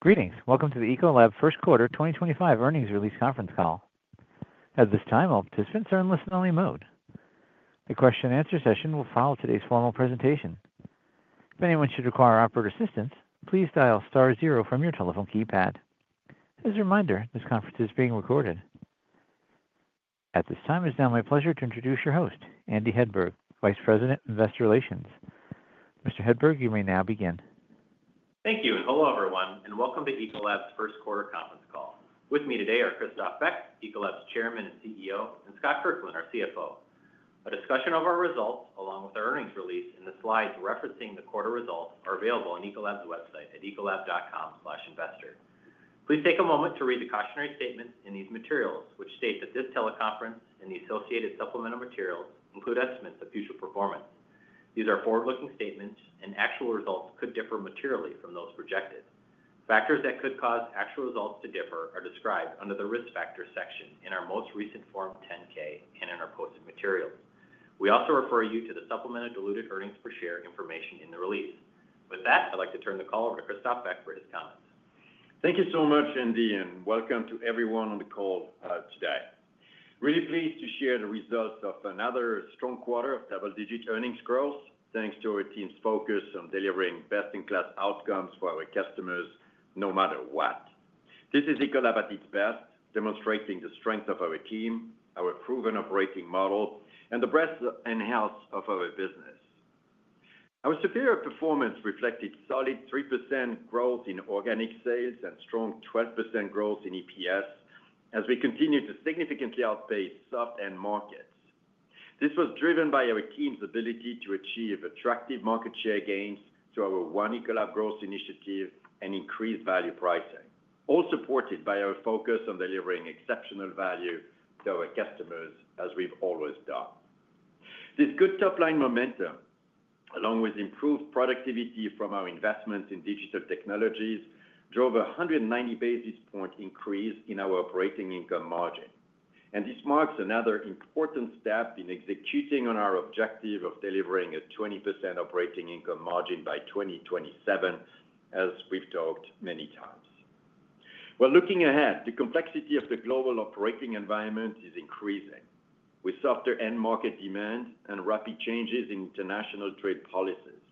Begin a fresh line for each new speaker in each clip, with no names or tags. Greetings. Welcome to the Ecolab First Quarter 2025 Earnings Release Conference Call. At this time, all participants are in listen-only mode. A question-and-answer session will follow today's formal presentation. If anyone should require operator assistance, please dial star zero from your telephone keypad. As a reminder, this conference is being recorded. At this time, it is now my pleasure to introduce your host, Andy Hedberg, Vice President, Investor Relations. Mr. Hedberg, you may now begin.
Thank you. Hello, everyone, and welcome to Ecolab's First Quarter Conference Call. With me today are Christophe Beck, Ecolab's Chairman and CEO, and Scott Kirkland, our CFO. A discussion of our results, along with our earnings release and the slides referencing the quarter results, are available on Ecolab's website at ecolab.com/investor. Please take a moment to read the cautionary statements in these materials, which state that this teleconference and the associated supplemental materials include estimates of future performance. These are forward-looking statements, and actual results could differ materially from those projected. Factors that could cause actual results to differ are described under the risk factors section in our most recent Form 10-K and in our posted material. We also refer you to the supplemental diluted earnings per share information in the release. With that, I'd like to turn the call over to Christophe Beck for his comments.
Thank you so much, Andy, and welcome to everyone on the call today. Really pleased to share the results of another strong quarter of double-digit earnings growth, thanks to our team's focus on delivering best-in-class outcomes for our customers, no matter what. This is Ecolab at its best, demonstrating the strength of our team, our proven operating model, and the breadth and health of our business. Our superior performance reflected solid 3% growth in organic sales and strong 12% growth in EPS as we continued to significantly outpace soft end markets. This was driven by our team's ability to achieve attractive market share gains through our One Ecolab growth initiative and increased value pricing, all supported by our focus on delivering exceptional value to our customers, as we've always done. This good top-line momentum, along with improved productivity from our investments in digital technologies, drove a 190 basis point increase in our operating income margin. This marks another important step in executing on our objective of delivering a 20% operating income margin by 2027, as we've talked many times. While looking ahead, the complexity of the global operating environment is increasing, with softer end-market demand and rapid changes in international trade policies.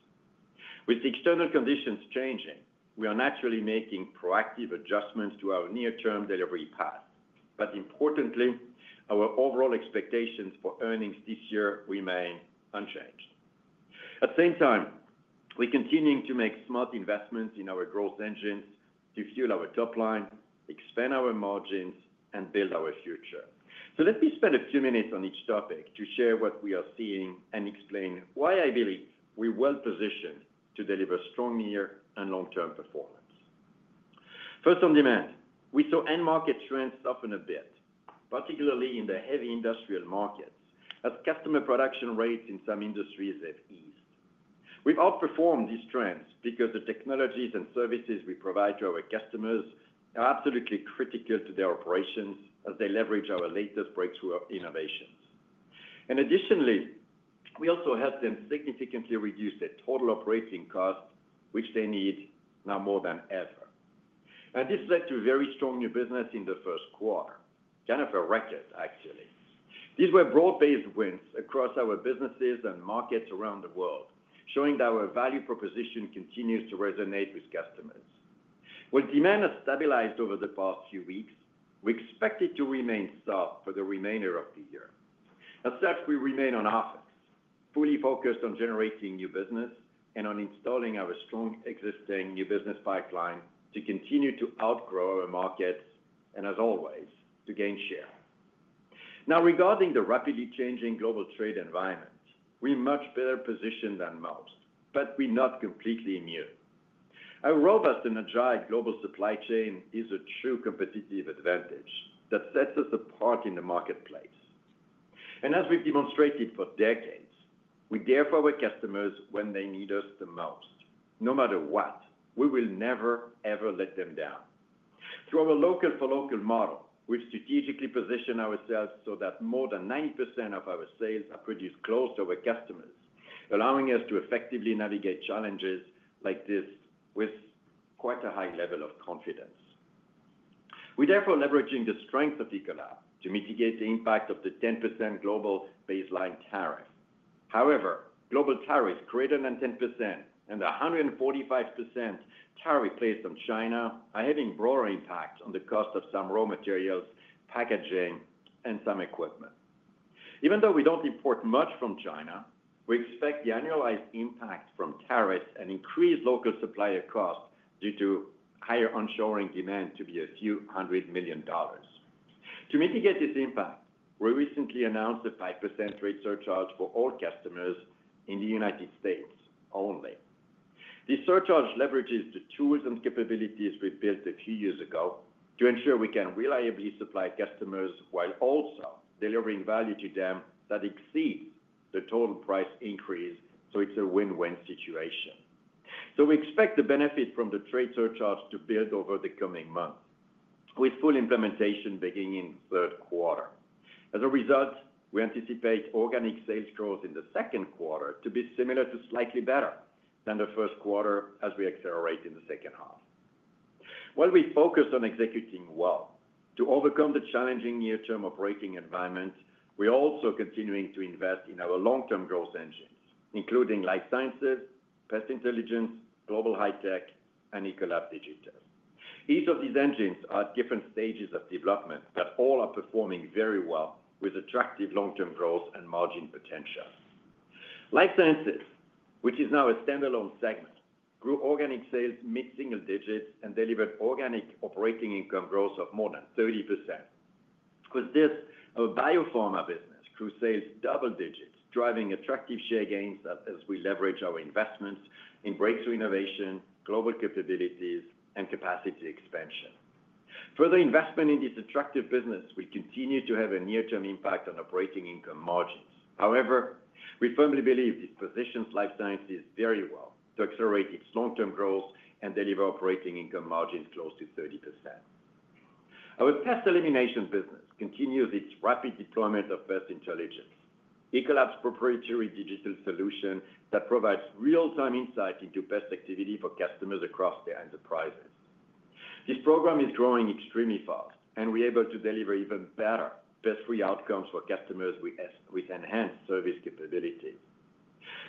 With the external conditions changing, we are naturally making proactive adjustments to our near-term delivery path. Importantly, our overall expectations for earnings this year remain unchanged. At the same time, we're continuing to make smart investments in our growth engines to fuel our top line, expand our margins, and build our future. Let me spend a few minutes on each topic to share what we are seeing and explain why I believe we're well-positioned to deliver strong near- and long-term performance. First, on demand, we saw end-market trends soften a bit, particularly in the heavy industrial markets, as customer production rates in some industries have eased. We outperformed these trends because the technologies and services we provide to our customers are absolutely critical to their operations as they leverage our latest breakthrough innovations. Additionally, we also helped them significantly reduce their total operating costs, which they need now more than ever. This led to very strong new business in the first quarter, kind of a record, actually. These were broad-based wins across our businesses and markets around the world, showing that our value proposition continues to resonate with customers. When demand has stabilized over the past few weeks, we expect it to remain softer for the remainder of the year. As such, we remain on offer, fully focused on generating new business and on installing our strong existing new business pipeline to continue to outgrow our markets and, as always, to gain share. Now, regarding the rapidly changing global trade environment, we are much better positioned than most, but we are not completely immune. Our robust and agile global supply chain is a true competitive advantage that sets us apart in the marketplace. As we have demonstrated for decades, we dare for our customers when they need us the most. No matter what, we will never, ever let them down. Through our local-for-local model, we've strategically positioned ourselves so that more than 90% of our sales are produced close to our customers, allowing us to effectively navigate challenges like this with quite a high level of confidence. We're therefore leveraging the strength of Ecolab to mitigate the impact of the 10% global baseline tariff. However, global tariffs greater than 10% and the 145% tariff placed on China are having broader impacts on the cost of some raw materials, packaging, and some equipment. Even though we don't import much from China, we expect the annualized impact from tariffs and increased local supplier costs due to higher onshoring demand to be a few hundred million dollars. To mitigate this impact, we recently announced a 5% rate surcharge for all customers in the United States only. This surcharge leverages the tools and capabilities we built a few years ago to ensure we can reliably supply customers while also delivering value to them that exceeds the total price increase, so it's a win-win situation. We expect the benefit from the trade surcharge to build over the coming months, with full implementation beginning in third quarter. As a result, we anticipate organic sales growth in the second quarter to be similar to slightly better than the first quarter as we accelerate in the second half. While we focus on executing well to overcome the challenging near-term operating environment, we're also continuing to invest in our long-term growth engines, including Life Sciences, Pest Intelligence, Global High-Tech, and Ecolab Digital. Each of these engines are at different stages of development, but all are performing very well with attractive long-term growth and margin potentials. Life Sciences, which is now a standalone segment, grew organic sales mid-single digits and delivered organic operating income growth of more than 30%. With this, our biopharma business grew sales double digits, driving attractive share gains as we leverage our investments in breakthrough innovation, global capabilities, and capacity expansion. Further investment in this attractive business will continue to have a near-term impact on operating income margins. However, we firmly believe this positions Life Sciences very well to accelerate its long-term growth and deliver operating income margins close to 30%. Our pest elimination business continues its rapid deployment of Pest Intelligence, Ecolab's proprietary digital solution that provides real-time insight into pest activity for customers across their enterprises. This program is growing extremely fast, and we're able to deliver even better pest-free outcomes for customers with enhanced service capability.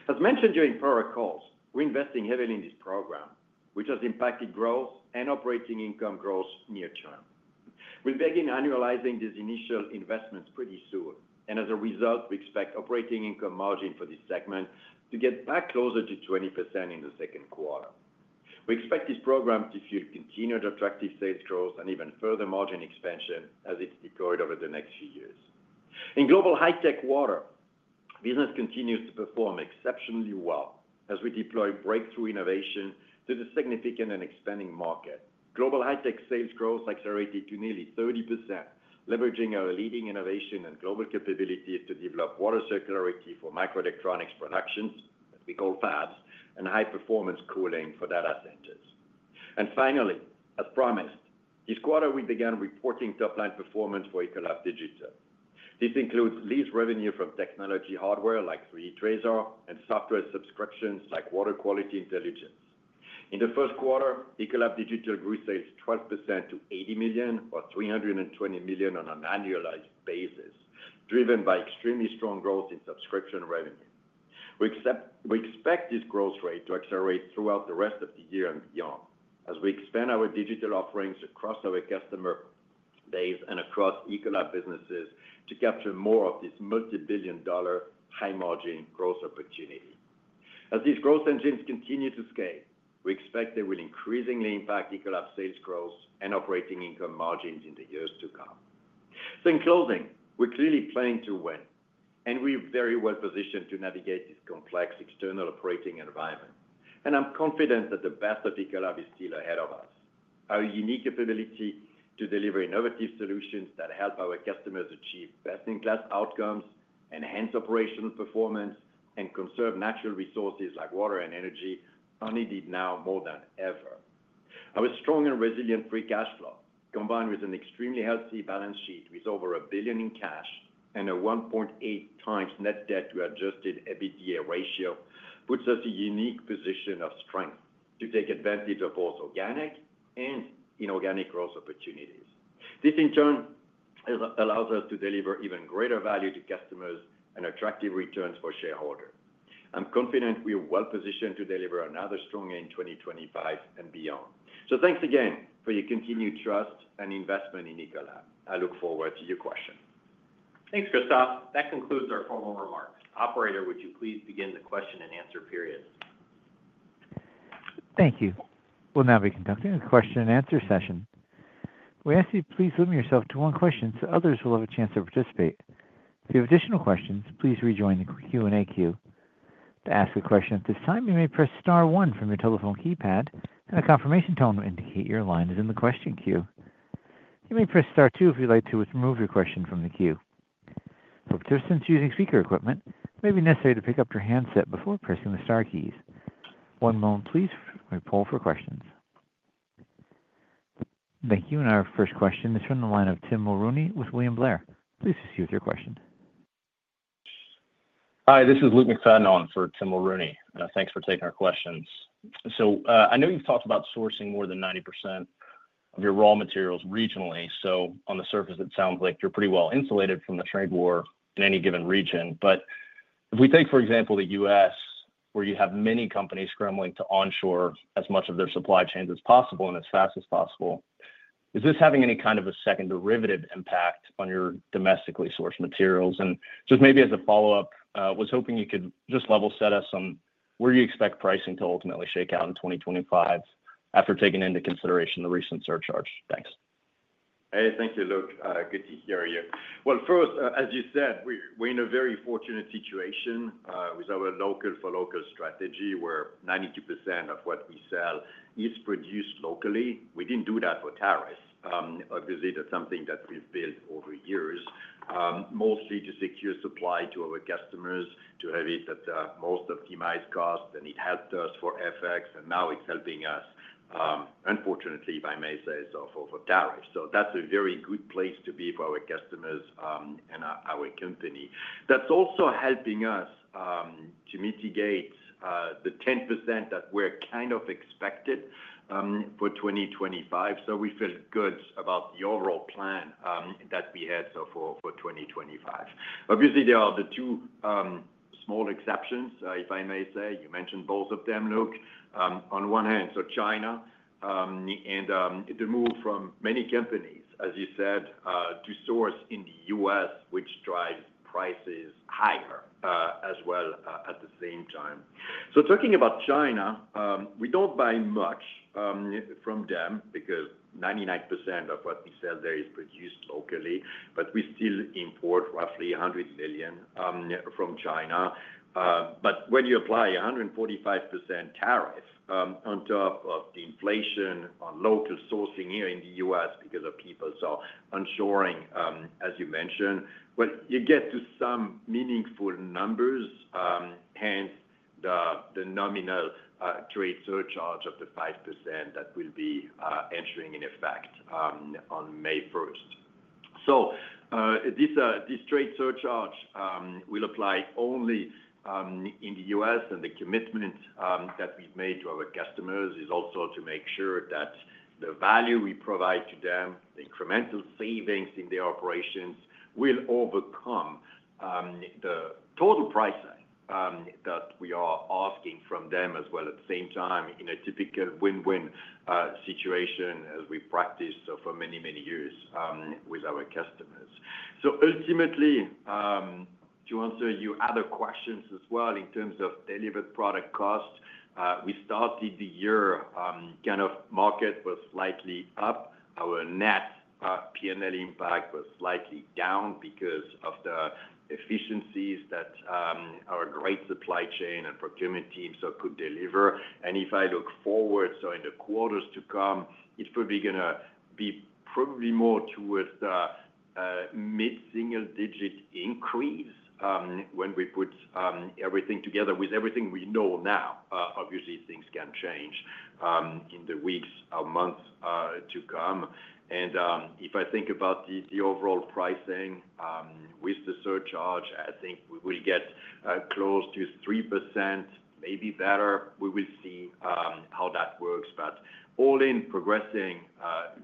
As mentioned during prior calls, we're investing heavily in this program, which has impacted growth and operating income growth near term. We're beginning to annualize these initial investments pretty soon, and as a result, we expect operating income margin for this segment to get back closer to 20% in the second quarter. We expect this program to fuel continued attractive sales growth and even further margin expansion as it's deployed over the next few years. In Global High-Tech Water, business continues to perform exceptionally well as we deploy breakthrough innovation to the significant and expanding market. Global High-Tech sales growth accelerated to nearly 30%, leveraging our leading innovation and global capability to develop water circularity for microelectronics productions, as we call fabs, and high-performance cooling for data centers. Finally, as promised, this quarter we began reporting top-line performance for Ecolab Digital. This includes lease revenue from technology hardware like 3D TRASAR and software subscriptions like Water Quality Intelligence. In the first quarter, Ecolab Digital grew sales 12% to $80 million, or $320 million on an annualized basis, driven by extremely strong growth in subscription revenue. We expect this growth rate to accelerate throughout the rest of the year and beyond as we expand our digital offerings across our customer base and across Ecolab businesses to capture more of this multi-billion dollar high-margin growth opportunity. As these growth engines continue to scale, we expect they will increasingly impact Ecolab's sales growth and operating income margins in the years to come. We are clearly playing to win, and we are very well-positioned to navigate this complex external operating environment. I am confident that the best of Ecolab is still ahead of us. Our unique capability to deliver innovative solutions that help our customers achieve best-in-class outcomes, enhance operational performance, and conserve natural resources like water and energy are needed now more than ever. Our strong and resilient free cash flow, combined with an extremely healthy balance sheet with over $1 billion in cash and a 1.8 times net debt to adjusted EBITDA ratio, puts us in a unique position of strength to take advantage of both organic and inorganic growth opportunities. This, in turn, allows us to deliver even greater value to customers and attractive returns for shareholders. I'm confident we are well-positioned to deliver another strong end 2025 and beyond. Thanks again for your continued trust and investment in Ecolab. I look forward to your question.
Thanks, Christophe. That concludes our formal remarks. Operator, would you please begin the question and answer period?
Thank you. We'll now be conducting a question and answer session. We ask that you please limit yourself to one question so others will have a chance to participate. If you have additional questions, please rejoin the Q&A queue. To ask a question at this time, you may press star one from your telephone keypad, and a confirmation tone will indicate your line is in the question queue. You may press star two if you'd like to remove your question from the queue. For participants using speaker equipment, it may be necessary to pick up your handset before pressing the star keys. One moment, please, and we'll poll for questions. Thank you. Our first question is from the line of Tim Mulrooney with William Blair. Please proceed with your question.
Hi, this is Luke McFadden for Tim Mulrooney. Thanks for taking our questions. I know you've talked about sourcing more than 90% of your raw materials regionally. On the surface, it sounds like you're pretty well insulated from the trade war in any given region. If we take, for example, the U.S., where you have many companies scrambling to onshore as much of their supply chains as possible and as fast as possible, is this having any kind of a second derivative impact on your domestically sourced materials? Just maybe as a follow-up, I was hoping you could just level set us on where you expect pricing to ultimately shake out in 2025 after taking into consideration the recent surcharge. Thanks.
Hey, thank you, Luke. Good to hear you. First, as you said, we're in a very fortunate situation with our local-for-local strategy, where 92% of what we sell is produced locally. We didn't do that for tariffs. Obviously, that's something that we've built over years, mostly to secure supply to our customers, to have it at the most optimized cost. It helped us for FX, and now it's helping us, unfortunately, by means of over tariffs. That's a very good place to be for our customers and our company. That's also helping us to mitigate the 10% that we're kind of expected for 2025. We feel good about the overall plan that we had for 2025. Obviously, there are the two small exceptions, if I may say. You mentioned both of them, Luke. On one hand, China and the move from many companies, as you said, to source in the U.S., which drives prices higher as well at the same time. Talking about China, we do not buy much from them because 99% of what we sell there is produced locally, but we still import roughly $100 million from China. When you apply a 145% tariff on top of the inflation on local sourcing here in the U.S. because of people's onshoring, as you mentioned, you get to some meaningful numbers. Hence, the nominal trade surcharge of 5% that will be entering in effect on May 1st. This trade surcharge will apply only in the U.S., and the commitment that we've made to our customers is also to make sure that the value we provide to them, the incremental savings in their operations, will overcome the total pricing that we are asking from them as well at the same time in a typical win-win situation, as we practice for many, many years with our customers. Ultimately, to answer your other questions as well in terms of delivered product cost, we started the year kind of market was slightly up. Our net P&L impact was slightly down because of the efficiencies that our great supply chain and procurement team could deliver. If I look forward, in the quarters to come, it's probably going to be probably more towards the mid-single digit increase when we put everything together with everything we know now. Obviously, things can change in the weeks or months to come. If I think about the overall pricing with the surcharge, I think we will get close to 3%, maybe better. We will see how that works. All in, progressing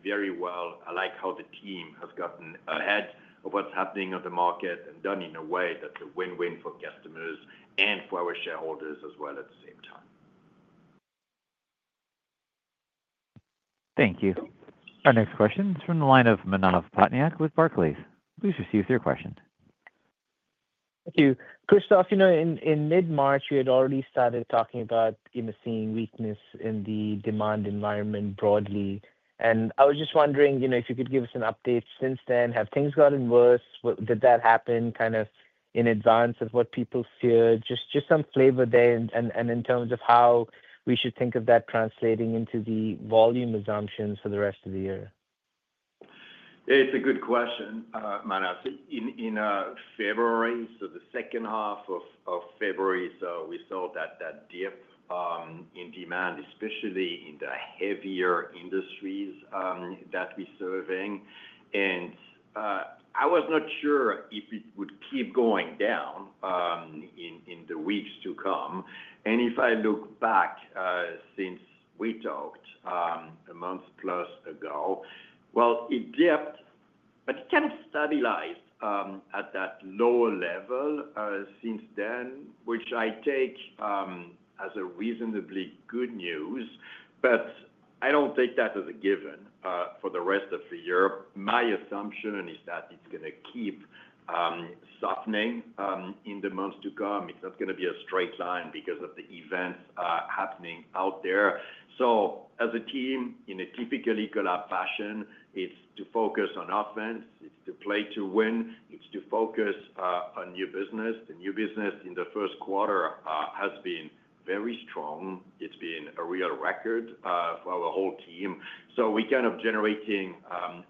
very well. I like how the team has gotten ahead of what's happening on the market and done in a way that's a win-win for customers and for our shareholders as well at the same time.
Thank you. Our next question is from the line of Manav Patnaik with Barclays. Please proceed with your question.
Thank you. Christophe, in mid-March, we had already started talking about missing weakness in the demand environment broadly. I was just wondering if you could give us an update since then. Have things gotten worse? Did that happen kind of in advance of what people feared? Just some flavor there and in terms of how we should think of that translating into the volume assumptions for the rest of the year.
Yeah, it's a good question, Manav. In February, so the second half of February, we saw that dip in demand, especially in the heavier industries that we're serving. I was not sure if it would keep going down in the weeks to come. If I look back since we talked a month plus ago, it dipped, but it kind of stabilized at that lower level since then, which I take as reasonably good news. I do not take that as a given for the rest of the year. My assumption is that it's going to keep softening in the months to come. It's not going to be a straight line because of the events happening out there. As a team, in a typical Ecolab fashion, it's to focus on offense. It's to play to win. It's to focus on your business. Your business in the first quarter has been very strong. It's been a real record for our whole team. We are kind of generating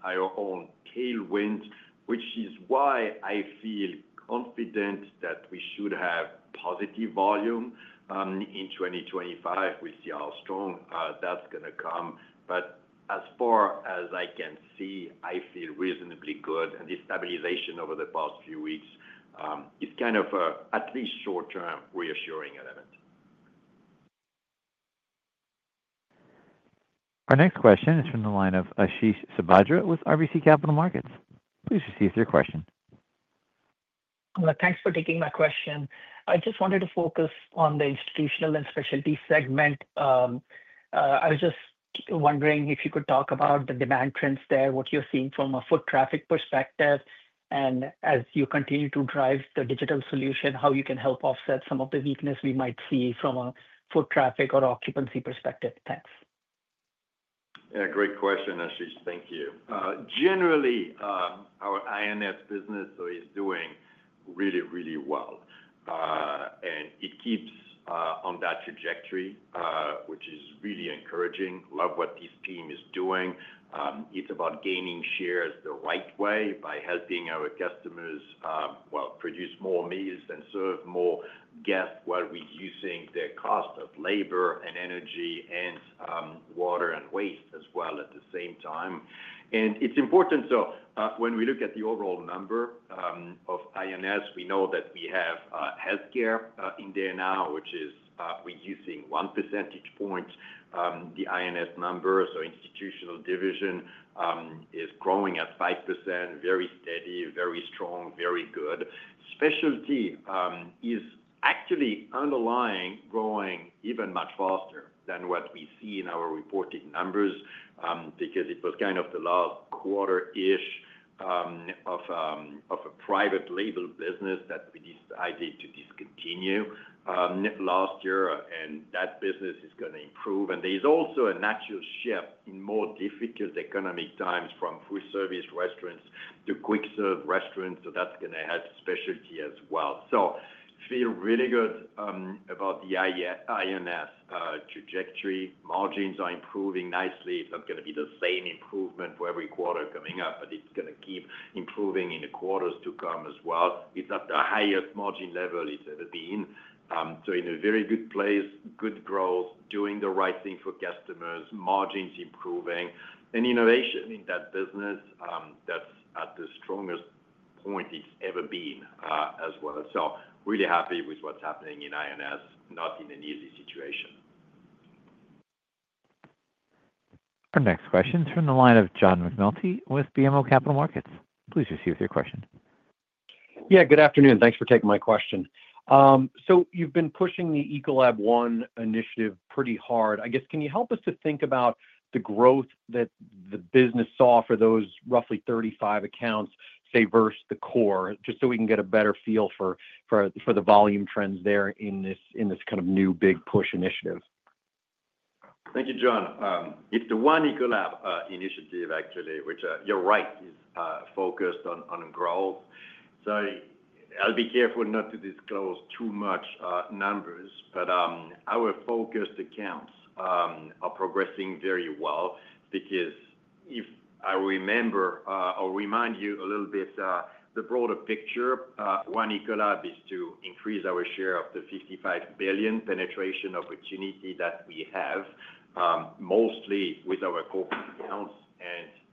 our own tailwind, which is why I feel confident that we should have positive volume in 2025. We see how strong that's going to come. As far as I can see, I feel reasonably good. The stabilization over the past few weeks is kind of at least short-term reassuring at it.
Our next question is from the line of Ashish Sabadra with RBC Capital Markets. Please proceed with your question.
Thanks for taking my question. I just wanted to focus on the Institutional and Specialty segment. I was just wondering if you could talk about the demand trends there, what you're seeing from a foot traffic perspective, and as you continue to drive the digital solution, how you can help offset some of the weakness we might see from a foot traffic or occupancy perspective. Thanks.
Yeah, great question, Ashish. Thank you. Generally, our I&S business is doing really, really well. It keeps on that trajectory, which is really encouraging. Love what this team is doing. It's about gaining shares the right way by helping our customers produce more meals and serve more guests while reducing their cost of labor and energy and water and waste as well at the same time. It's important. When we look at the overall number of I&S, we know that we have healthcare in there now, which is reducing 1 percentage point. The I&S number, so Institutional division, is growing at 5%, very steady, very strong, very good. Specialty is actually underlying growing even much faster than what we see in our reported numbers because it was kind of the last quarter-ish of a private label business that we decided to discontinue last year. That business is going to improve. There is also a natural shift in more difficult economic times from food service restaurants to quick-serve restaurants. That is going to help specialty as well. I feel really good about the I&S trajectory. Margins are improving nicely. It is not going to be the same improvement for every quarter coming up, but it is going to keep improving in the quarters to come as well. It is at the highest margin level it has ever been. In a very good place, good growth, doing the right thing for customers, margins improving. Innovation in that business is at the strongest point it has ever been as well. I am really happy with what is happening in I&S, not in an easy situation.
Our next question is from the line of John McNulty with BMO Capital Markets. Please proceed with your question.
Yeah, good afternoon. Thanks for taking my question. You've been pushing the One Ecolab initiative pretty hard. I guess, can you help us to think about the growth that the business saw for those roughly 35 accounts, say, versus the core, just so we can get a better feel for the volume trends there in this kind of new big push initiative?
Thank you, John. It's the One Ecolab Initiative, actually, which, you're right, is focused on growth. I'll be careful not to disclose too much numbers, but our focused accounts are progressing very well because if I remember, I'll remind you a little bit, the broader picture, One Ecolab is to increase our share of the $55 billion penetration opportunity that we have, mostly with our corporate accounts.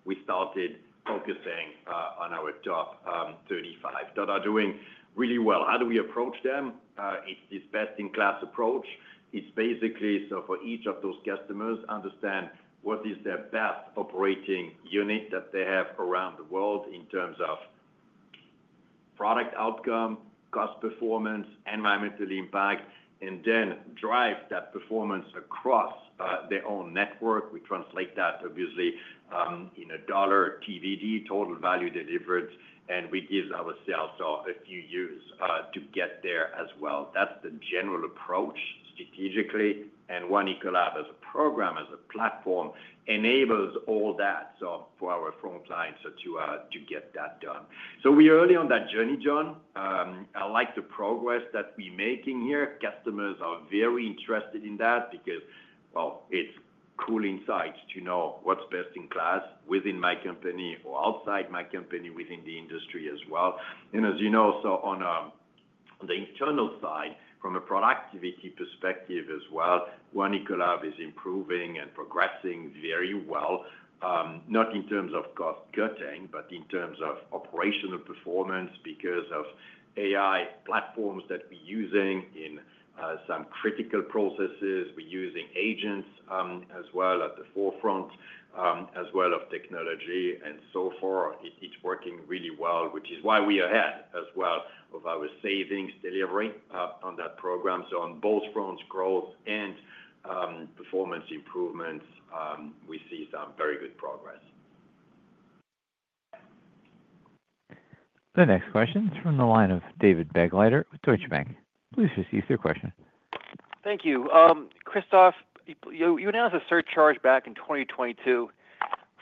We started focusing on our top 35 that are doing really well. How do we approach them? It's this best-in-class approach. Basically, for each of those customers, understand what is their best operating unit that they have around the world in terms of product outcome, cost performance, environmental impact, and then drive that performance across their own network. We translate that, obviously, in a dollar, TVD, total value delivered, and we give ourselves a few years to get there as well. That is the general approach strategically. One Ecolab as a program, as a platform, enables all that for our front lines to get that done. We are early on that journey, John. I like the progress that we are making here. Customers are very interested in that because, well, it is cool insights to know what is best in class within my company or outside my company within the industry as well. As you know, on the internal side, from a productivity perspective as well, One Ecolab is improving and progressing very well, not in terms of cost cutting, but in terms of operational performance because of AI platforms that we are using in some critical processes. We're using agents as well at the forefront as well of technology and so forth. It's working really well, which is why we are ahead as well of our savings delivery on that program. On both fronts, growth and performance improvements, we see some very good progress.
The next question is from the line of David Begleiter with Deutsche Bank. Please proceed with your question.
Thank you. Christophe, you announced a surcharge back in 2022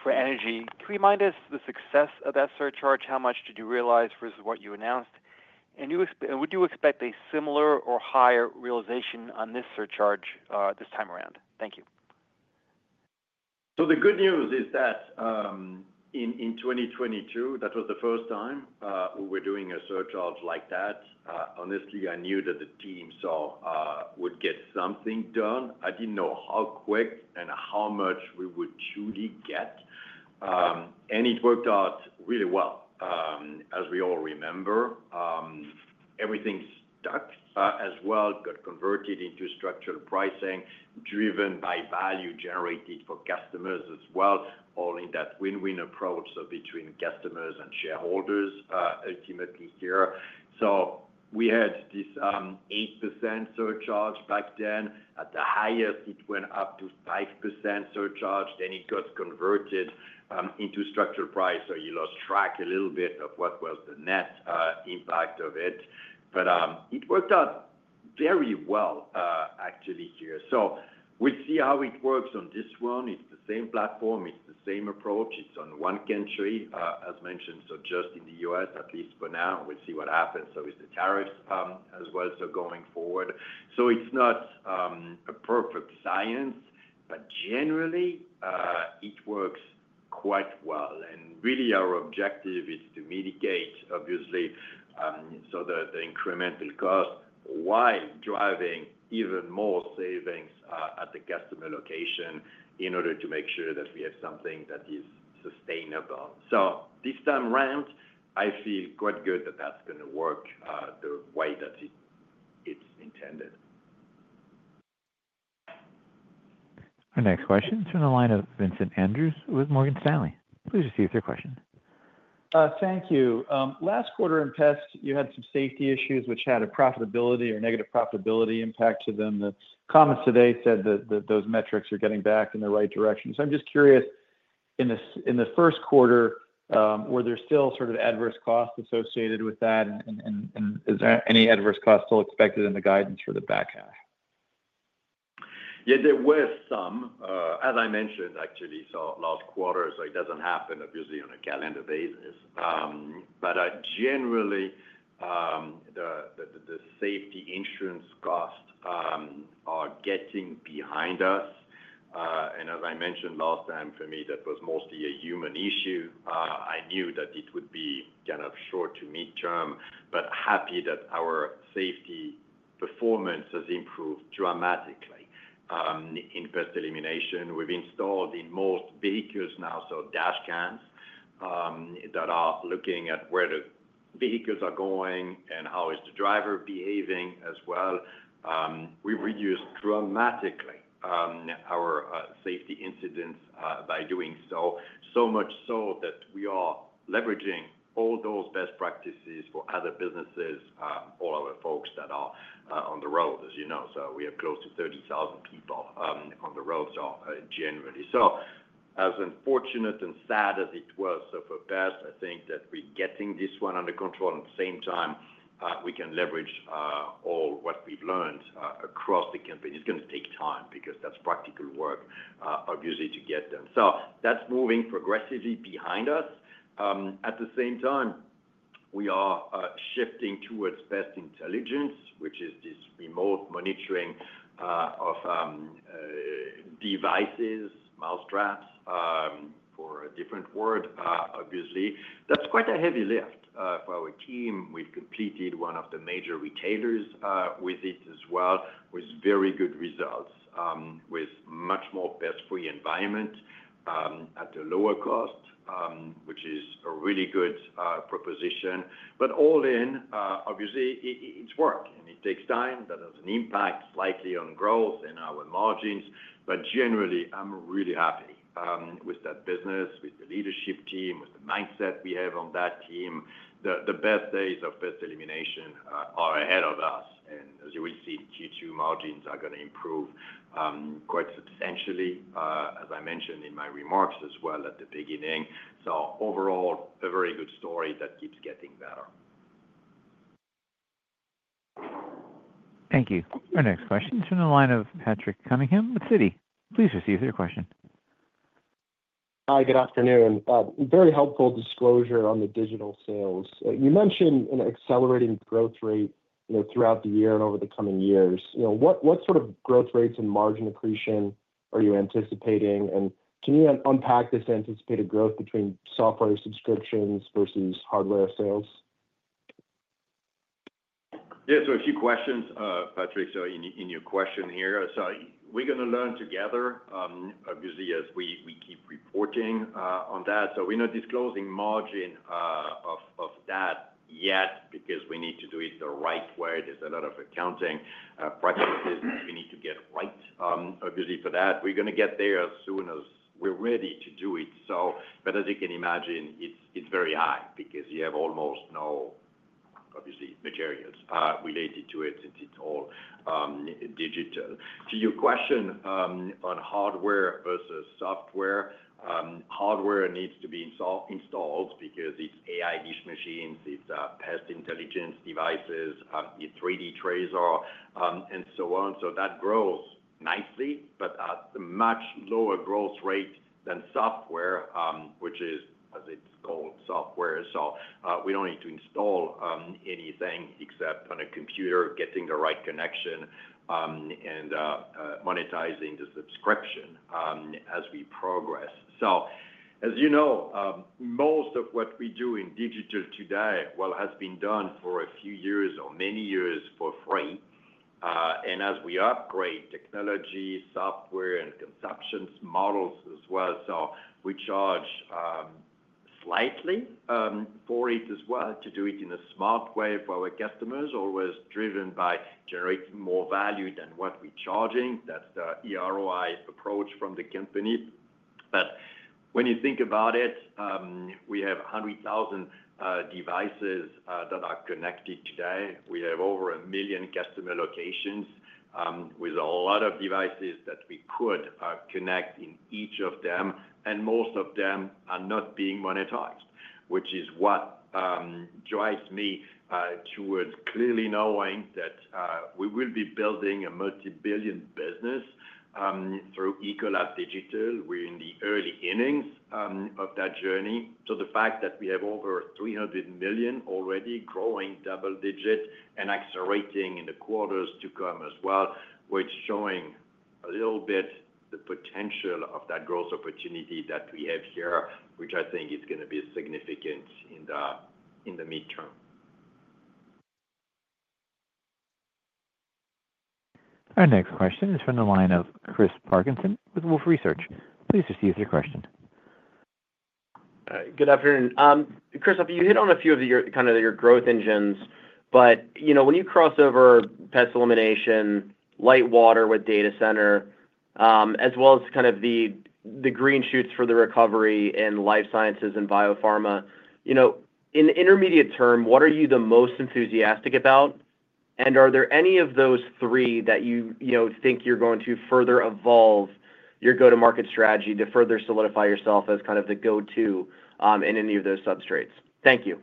for energy. Can you remind us the success of that surcharge? How much did you realize versus what you announced? Would you expect a similar or higher realization on this surcharge this time around? Thank you.
The good news is that in 2022, that was the first time we were doing a surcharge like that. Honestly, I knew that the team would get something done. I did not know how quick and how much we would truly get. It worked out really well. As we all remember, everything stuck as well, got converted into structural pricing driven by value generated for customers as well, all in that win-win approach between customers and shareholders ultimately here. We had this 8% surcharge back then. At the highest, it went up to 5% surcharge, then it got converted into structural price. You will track a little bit of what was the net impact of it. It worked out very well, actually, here. We will see how it works on this one. It is the same platform. It is the same approach. It's on one country, as mentioned, just in the U.S., at least for now. We'll see what happens with the tariffs as well as going forward. It is not a perfect science, but generally, it works quite well. Really, our objective is to mitigate, obviously, the incremental cost while driving even more savings at the customer location in order to make sure that we have something that is sustainable. This time around, I feel quite good that that's going to work the way that it's intended.
Our next question is from the line of Vincent Andrews with Morgan Stanley. Please proceed with your question.
Thank you. Last quarter in Pest, you had some safety issues which had a profitability or negative profitability impact to them. The comments today said that those metrics are getting back in the right direction. I am just curious, in the first quarter, were there still sort of adverse costs associated with that? Is there any adverse costs still expected in the guidance for the back half?
Yeah, there were some, as I mentioned, actually. Last quarter, it does not happen obviously on a calendar basis. Generally, the safety insurance costs are getting behind us. As I mentioned last time, for me, that was mostly a human issue. I knew that it would be kind of short to midterm, but happy that our safety performance has improved dramatically in Pest Elimination. We have installed in most vehicles now dashcams that are looking at where the vehicles are going and how the driver is behaving as well. We have reduced dramatically our safety incidents by doing so, so much so that we are leveraging all those best practices for other businesses, all our folks that are on the road, as you know. We have close to 30,000 people on the road generally. As unfortunate and sad as it was for Pest, I think that we're getting this one under control. At the same time, we can leverage all what we've learned across the company. It's going to take time because that's practical work, obviously, to get done. That's moving progressively behind us. At the same time, we are shifting towards Pest Intelligence, which is this remote monitoring of devices, mousetraps, for a different word, obviously. That's quite a heavy lift for our team. We've completed one of the major retailers with it as well with very good results, with much more pest-free environment at a lower cost, which is a really good proposition. All in, obviously, it's work and it takes time. That has an impact slightly on growth and our margins. Generally, I'm really happy with that business, with the leadership team, with the mindset we have on that team. The best days of Pest Elimination are ahead of us. As you will see, Q2 margins are going to improve quite substantially, as I mentioned in my remarks as well at the beginning. Overall, a very good story that keeps getting better.
Thank you. Our next question is from the line of Patrick Cunningham with Citi. Please proceed with your question.
Hi, good afternoon. Very helpful disclosure on the digital sales. You mentioned an accelerating growth rate throughout the year and over the coming years. What sort of growth rates and margin accretion are you anticipating? Can you unpack this anticipated growth between software subscriptions versus hardware sales?
Yeah, so a few questions, Patrick, so in your question here. We're going to learn together, obviously, as we keep reporting on that. We're not disclosing margin of that yet because we need to do it the right way. There's a lot of accounting practical business we need to get right, obviously, for that. We're going to get there as soon as we're ready to do it. As you can imagine, it's very high because you have almost no, obviously, materials related to it since it's all digital. To your question on hardware versus software, hardware needs to be installed because it's AI dishmachines, it's Pest Intelligence devices, it's 3D TRASAR, and so on. That grows nicely, but at a much lower growth rate than software, which is, as it's called, software. We do not need to install anything except on a computer, getting the right connection, and monetizing the subscription as we progress. As you know, most of what we do in digital today, well, has been done for a few years or many years for free. As we upgrade technology, software, and consumption models as well, we charge slightly for it as well to do it in a smart way for our customers, always driven by generating more value than what we are charging. That is the eROI approach from the company. When you think about it, we have 100,000 devices that are connected today. We have over a million customer locations with a lot of devices that we could connect in each of them. Most of them are not being monetized, which is what drives me towards clearly knowing that we will be building a multi-billion business through Ecolab Digital. We are in the early innings of that journey. The fact that we have over $300 million already growing double-digit and accelerating in the quarters to come as well, which is showing a little bit the potential of that growth opportunity that we have here, which I think is going to be significant in the midterm.
Our next question is from the line of Chris Parkinson with Wolfe Research. Please proceed with your question.
Good afternoon. Christophe, you hit on a few of kind of your growth engines, but when you cross over Pest Elimination, Light Water with data center, as well as kind of the green shoots for the recovery in Life Sciences and biopharma, in intermediate term, what are you the most enthusiastic about? Are there any of those three that you think you're going to further evolve your go-to-market strategy to further solidify yourself as kind of the go-to in any of those substrates? Thank you.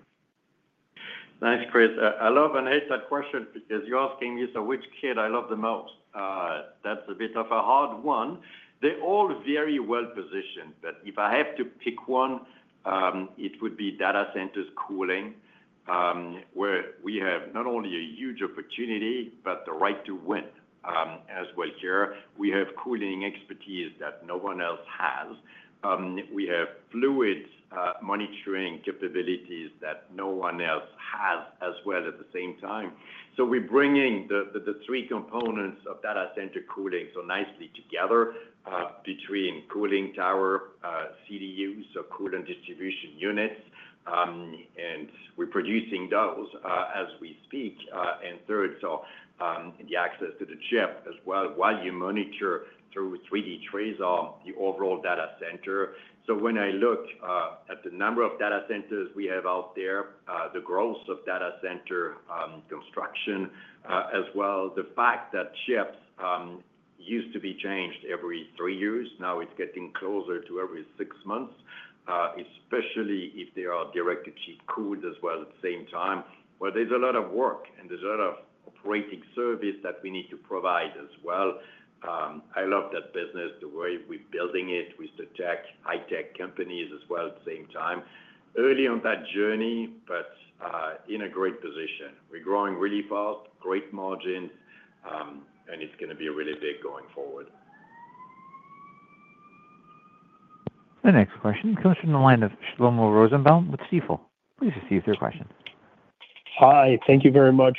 Thanks, Chris. I love and hate that question because you're asking me so which kid I love the most. That's a bit of a hard one. They're all very well positioned. If I had to pick one, it would be data centers cooling, where we have not only a huge opportunity, but the right to win as well here. We have cooling expertise that no one else has. We have fluid monitoring capabilities that no one else has as well at the same time. We're bringing the three components of data center cooling so nicely together between cooling tower, CDUs, so cooling distribution units, and we're producing those as we speak. Third, the access to the chip as well, while you monitor through 3D TRASAR, the overall data center. When I look at the number of data centers we have out there, the growth of data center construction as well, the fact that shifts used to be changed every three years, now it's getting closer to every six months, especially if they are direct-to-chip cooled as well at the same time. There is a lot of work and there is a lot of great service that we need to provide as well. I love that business, the way we're building it with the tech, high-tech companies as well at the same time. Early on that journey, but in a great position. We're growing really fast, great margins, and it's going to be really big going forward.
The next question is from the line of Shlomo Rosenbaum with Stifel. Please proceed with your question.
Hi, thank you very much.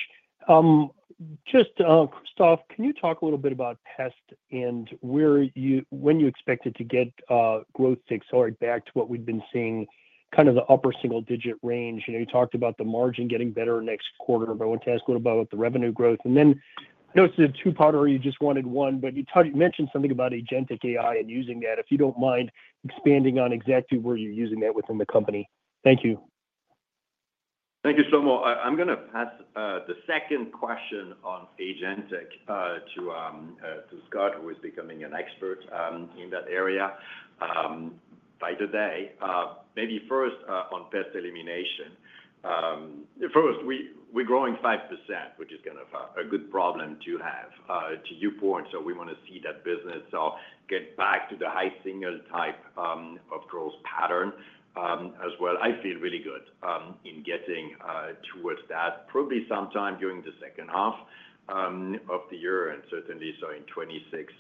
Just, Christophe, can you talk a little bit about Pest and when you expect it to get growth to accelerate back to what we've been seeing, kind of the upper single-digit range? You talked about the margin getting better next quarter, but I want to ask a little bit about the revenue growth. I know it's a two-parter, you just wanted one, but you mentioned something about agentic AI and using that, if you don't mind expanding on exactly where you're using that within the company. Thank you.
Thank you, Shlomo. I'm going to pass the second question on agentic to Scott, who is becoming an expert in that area by the day. Maybe first on Pest Elimination. First, we're growing 5%, which is kind of a good problem to have to your point. We want to see that business get back to the high single type of growth pattern as well. I feel really good in getting towards that, probably sometime during the second half of the year and certainly so in 2026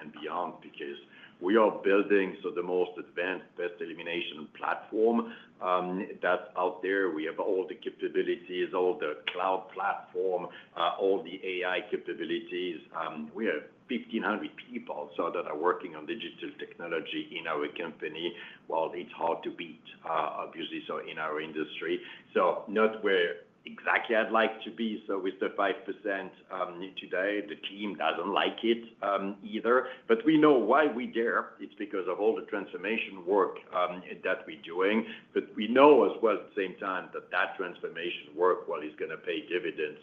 and beyond because we are building the most advanced Pest Elimination platform that's out there. We have all the capabilities, all the cloud platform, all the AI capabilities. We have 1,500 people that are working on digital technology in our company. It's hard to beat, obviously, in our industry. Not where exactly I'd like to be. With the 5% today, the team doesn't like it either. But we know why we dare. It's because of all the transformation work that we're doing. But we know as well at the same time that that transformation work, well, is going to pay dividends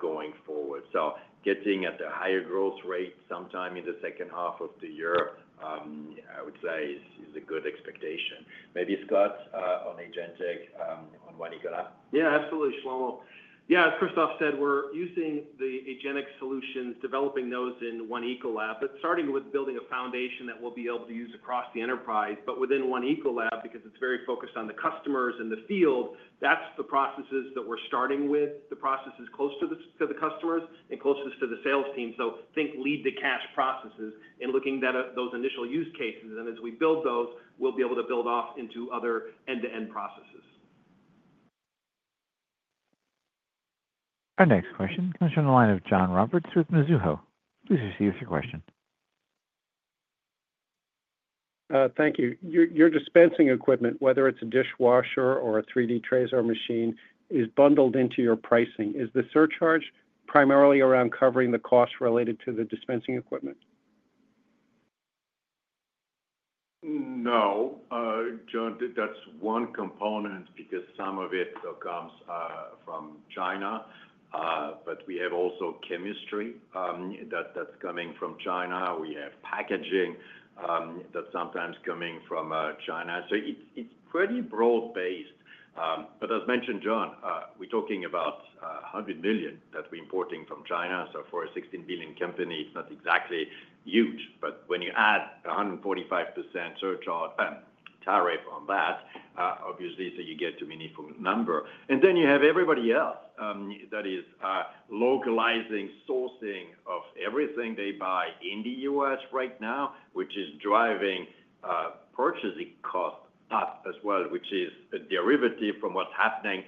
going forward. Getting at the higher growth rate sometime in the second half of the year, I would say, is a good expectation. Maybe Scott on agentic on One Ecolab.
Yeah, absolutely, Shlomo. Yeah, as Christophe said, we're using the agentic solutions, developing those in One Ecolab. It is starting with building a foundation that we'll be able to use across the enterprise. Within One Ecolab, because it is very focused on the customers and the field, that is the processes that we're starting with, the processes closest to the customers and closest to the sales team. Think lead-to-cash processes and looking at those initial use cases. As we build those, we'll be able to build off into other end-to-end processes.
Our next question comes from the line of John Roberts with Mizuho. Please proceed with your question.
Thank you. Your dispensing equipment, whether it's a dishwasher or a 3D TRASAR machine, is bundled into your pricing. Is the surcharge primarily around covering the costs related to the dispensing equipment?
No. John, that's one component because some of it comes from China. We have also chemistry that's coming from China. We have packaging that's sometimes coming from China. It is pretty broad-based. As mentioned, John, we're talking about $100 million that we're importing from China. For a $16 billion company, it's not exactly huge. When you add a 145% surcharge and tariff on that, obviously, you get to a meaningful number. You have everybody else that is localizing sourcing of everything they buy in the U.S. right now, which is driving purchasing costs up as well, which is a derivative from what's happening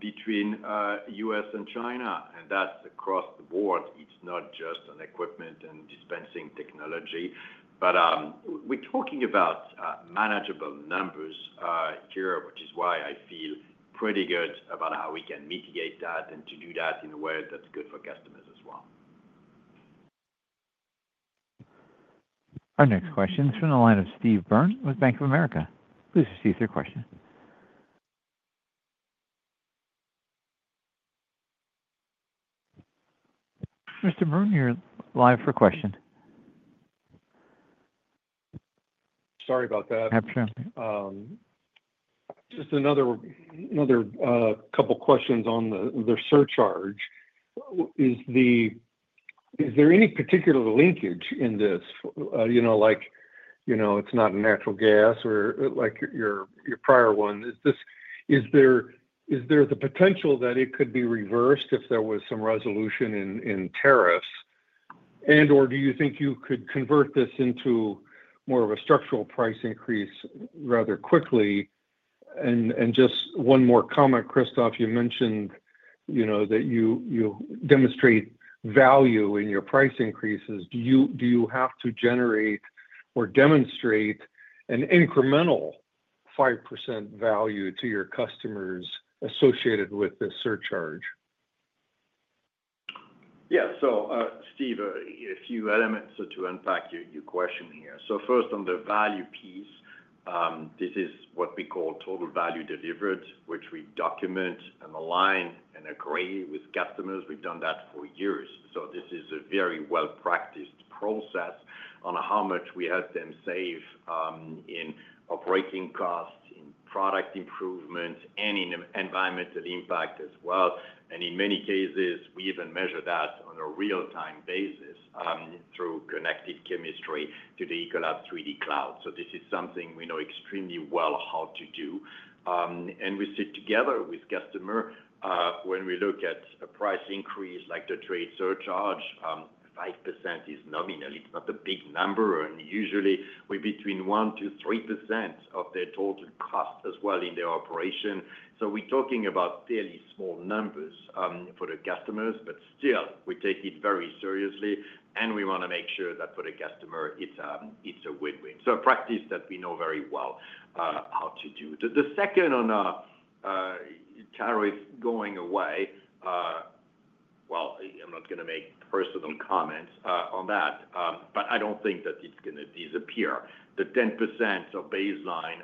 between the U.S. and China. That is across the board. It is not just in equipment and dispensing technology. We're talking about manageable numbers here, which is why I feel pretty good about how we can mitigate that and to do that in a way that's good for customers as well.
Our next question is from the line of Steve Byrne with Bank of America. Please proceed with your question. Mr. Byrne, you're live for a question.
Sorry about that.
Absolutely.
Just another couple of questions on the surcharge. Is there any particular linkage in this? Like, it's not a natural gas or like your prior one. Is there the potential that it could be reversed if there was some resolution in tariffs? Or do you think you could convert this into more of a structural price increase rather quickly? Just one more comment, Christophe, you mentioned that you demonstrate value in your price increases. Do you have to generate or demonstrate an incremental 5% value to your customers associated with this surcharge?
Yeah. Steve, a few elements to unpack your question here. First, on the value piece, this is what we call total value delivered, which we document and align and agree with customers. We've done that for years. This is a very well-practiced process on how much we help them save in operating costs, in product improvement, and in environmental impact as well. In many cases, we even measure that on a real-time basis through connected chemistry to the ECOLAB3D cloud. This is something we know extremely well how to do. We sit together with customers. When we look at a price increase like the trade surcharge, 5% is nominal. It's not a big number. Usually, we're between 1%-3% of their total cost as well in their operation. We're talking about fairly small numbers for the customers. Still, we take it very seriously. We want to make sure that for the customer, it's a win-win. A practice that we know very well how to do. The second on tariffs going away, I'm not going to make personal comments on that, but I don't think that it's going to disappear. The 10% of baseline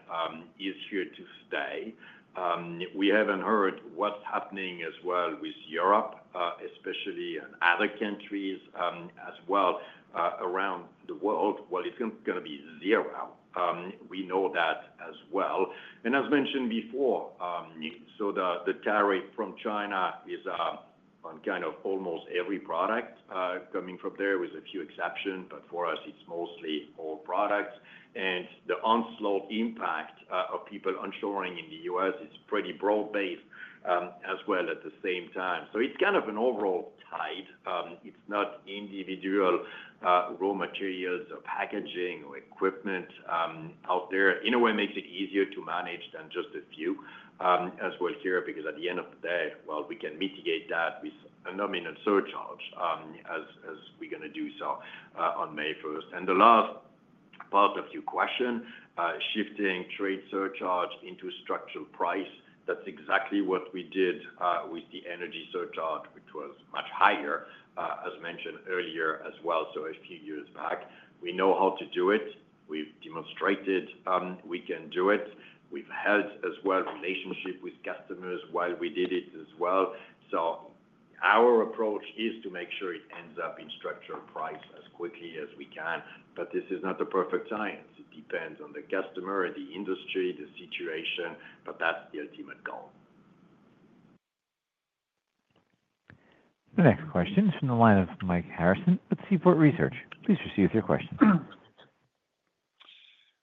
is here to stay. We haven't heard what's happening as well with Europe, especially and other countries as well around the world. It's going to be zero. We know that as well. As mentioned before, the tariff from China is on kind of almost every product coming from there with a few exceptions. For us, it's mostly all products. The onslaught impact of people onshoring in the U.S. is pretty broad-based as well at the same time. It's kind of an overall tide. It's not individual raw materials or packaging or equipment out there. In a way, it makes it easier to manage than just a few as well here because at the end of the day, we can mitigate that with a nominal surcharge as we're going to do on May 1st. The last part of your question, shifting trade surcharge into structural price, that's exactly what we did with the energy surcharge, which was much higher, as mentioned earlier as well, a few years back. We know how to do it. We've demonstrated we can do it. We've held as well relationship with customers while we did it as well. Our approach is to make sure it ends up in structural price as quickly as we can. This is not a perfect science. It depends on the customer, the industry, the situation, but that's the ultimate goal.
The next question is from the line of Mike Harrison with Seaport Research. Please proceed with your question.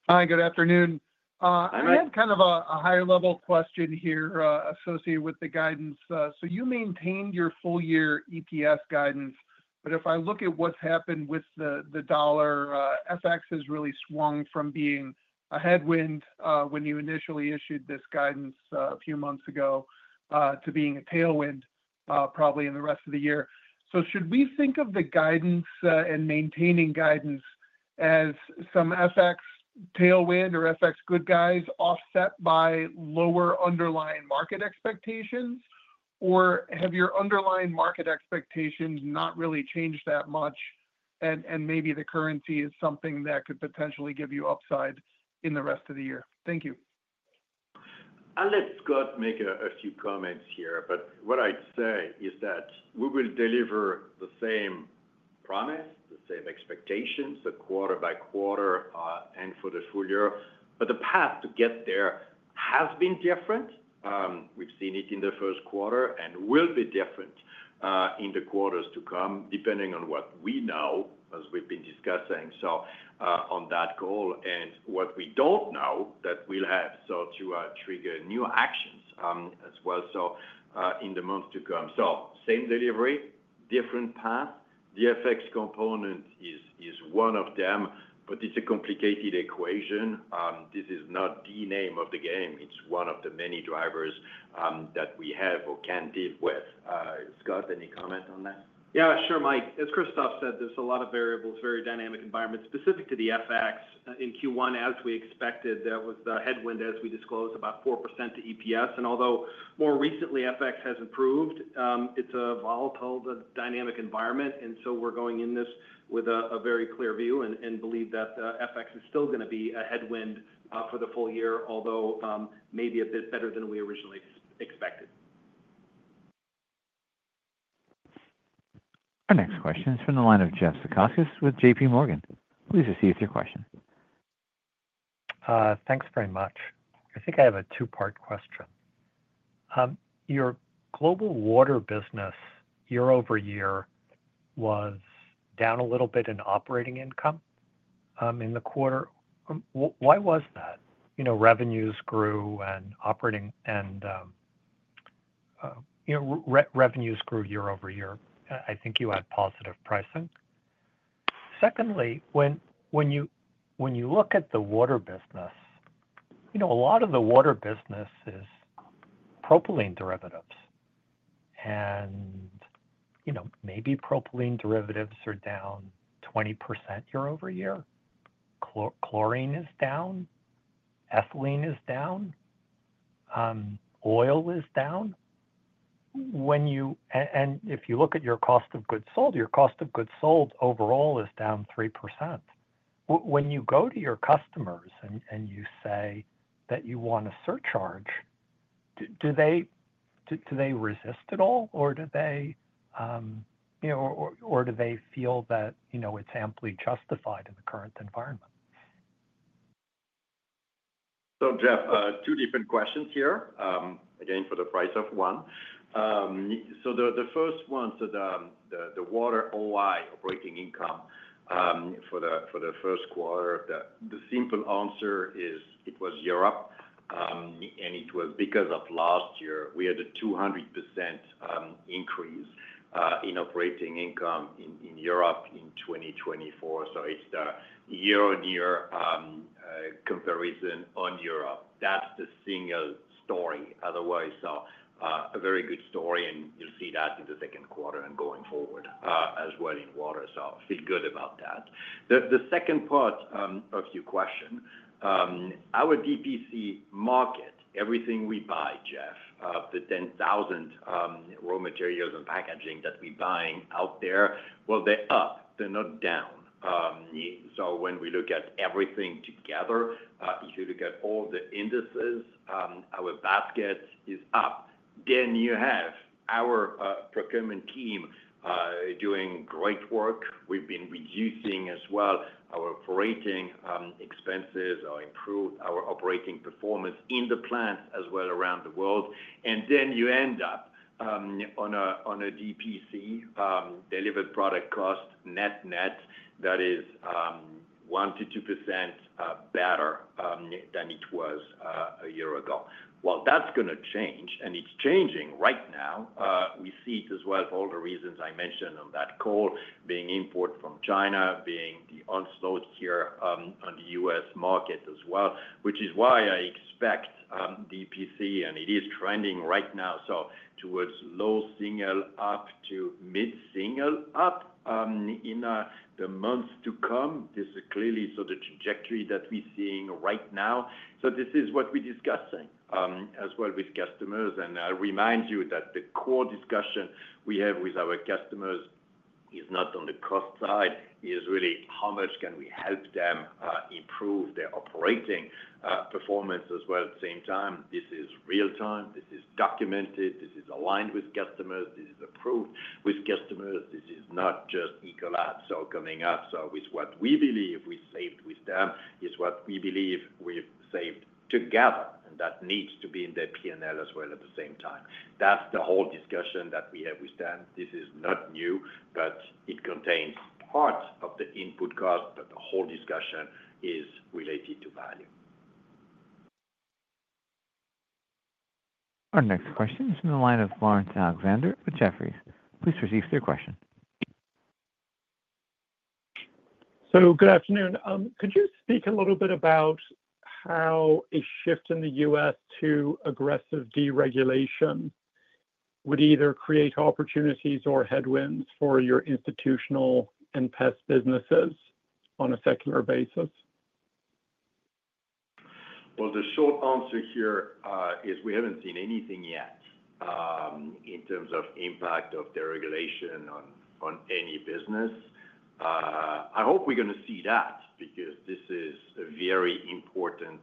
Hi, good afternoon. I have kind of a higher-level question here associated with the guidance. You maintained your full-year EPS guidance. If I look at what's happened with the dollar, FX has really swung from being a headwind when you initially issued this guidance a few months ago to being a tailwind probably in the rest of the year. Should we think of the guidance and maintaining guidance as some FX tailwind or FX good guys offset by lower underlying market expectations? Have your underlying market expectations not really changed that much? Maybe the currency is something that could potentially give you upside in the rest of the year. Thank you.
I'll let Scott make a few comments here. What I'd say is that we will deliver the same promise, the same expectations, quarter by quarter and for the full year. The path to get there has been different. We've seen it in the first quarter and it will be different in the quarters to come depending on what we know, as we've been discussing, on that goal and what we don't know that we'll have to trigger new actions as well in the months to come. Same delivery, different path. The FX component is one of them, but it's a complicated equation. This is not the name of the game. It's one of the many drivers that we have or can deal with. Scott, any comment on that?
Yeah, sure, Mike. As Christophe said, there's a lot of variables, very dynamic environment specific to the FX. In Q1, as we expected, there was the headwind as we disclosed about 4% to EPS. Although more recently FX has improved, it's a volatile, dynamic environment. We're going in this with a very clear view and believe that FX is still going to be a headwind for the full year, although maybe a bit better than we originally expected.
Our next question is from the line of Jeff Zekauskas with JPMorgan. Please proceed with your question.
Thanks very much. I think I have a two-part question. Your global water business year over year was down a little bit in operating income in the quarter. Why was that? Revenues grew and revenues grew year over year. I think you had positive pricing. Secondly, when you look at the water business, a lot of the water business is propylene derivatives. And maybe propylene derivatives are down 20% year over year. Chlorine is down. Ethylene is down. Oil is down. And if you look at your cost of goods sold, your cost of goods sold overall is down 3%. When you go to your customers and you say that you want a surcharge, do they resist at all? Or do they feel that it's amply justified in the current environment?
Jeff, two different questions here, again, for the price of one. The first one, the water OI, operating income for the first quarter, the simple answer is it was Europe. It was because of last year. We had a 200% increase in operating income in Europe in 2024. It is the year-on-year comparison on Europe. That is the single story. Otherwise, a very good story. You will see that in the second quarter and going forward as well in water. I feel good about that. The second part of your question, our DPC market, everything we buy, Jeff, the 10,000 raw materials and packaging that we are buying out there, they are up. They are not down. When we look at everything together, if you look at all the indices, our basket is up. You have our procurement team doing great work. We have been reducing as well. Our operating expenses are improved. Our operating performance in the plants as well around the world. You end up on a DPC delivered product cost net-net that is 1%-2% better than it was a year ago. That is going to change. It is changing right now. We see it as well for all the reasons I mentioned on that call, being import from China, being the onslaught here on the U.S. market as well, which is why I expect DPC, and it is trending right now, towards low single up to mid single up in the months to come. This is clearly the trajectory that we are seeing right now. This is what we are discussing as well with customers. I remind you that the core discussion we have with our customers is not on the cost side. It is really how much can we help them improve their operating performance as well at the same time. This is real-time. This is documented. This is aligned with customers. This is approved with customers. This is not just Ecolab coming up. With what we believe we saved with them is what we believe we have saved together. That needs to be in their P&L as well at the same time. That is the whole discussion that we have with them. This is not new, but it contains part of the input cost. The whole discussion is related to value.
Our next question is from the line of Laurence Alexander with Jefferies. Please proceed with your question.
Good afternoon. Could you speak a little bit about how a shift in the U.S. to aggressive deregulation would either create opportunities or headwinds for your Institutional and Pest businesses on a secular basis?
The short answer here is we haven't seen anything yet in terms of impact of deregulation on any business. I hope we're going to see that because this is a very important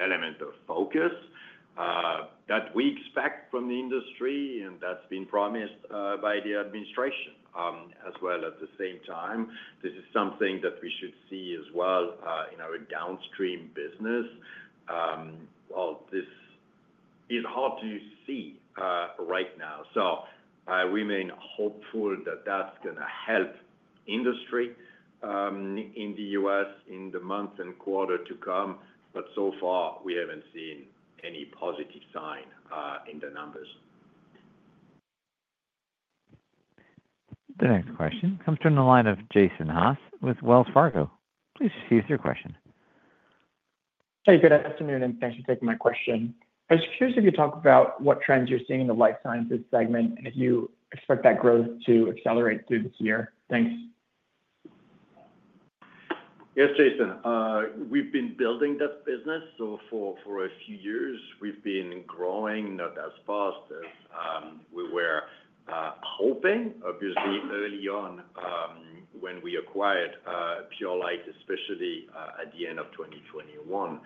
element of focus that we expect from the industry, and that's been promised by the administration as well at the same time. This is something that we should see as well in our downstream business. This is hard to see right now. We are mainly hopeful that that's going to help industry in the U.S. in the months and quarter to come. So far, we haven't seen any positive sign in the numbers.
The next question comes from the line of Jason Haas with Wells Fargo. Please proceed with your question.
Hey, good afternoon, and thanks for taking my question. I was curious if you could talk about what trends you're seeing in the Life Sciences segment and if you expect that growth to accelerate through this year. Thanks.
Yes, Jason. We've been building that business. For a few years, we've been growing not as fast as we were hoping. Obviously, early on when we acquired Purolite, especially at the end of 2021,